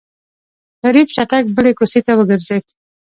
شريف چټک بلې کوڅې ته وګرځېد.